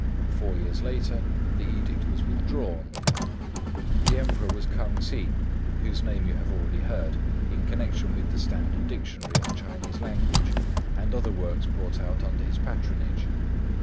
Four years later the edict was withdrawn. The Emperor was K'ang Hsi, whose name you have already heard in connection with the standard dictionary of the Chinese language and other works brought out under his patronage.